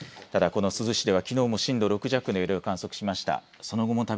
珠洲市ではきのうも震度６弱の揺れを観測しました。